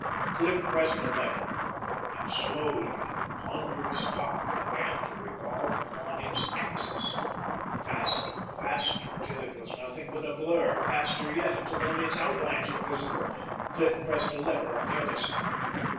Cliff pressed a lever, and slowly the ponderous top began to revolve upon its axis. Faster, faster, till it was nothing but a blur. Faster yet, until only its outlines were visible. Cliff pressed a lever on the other side.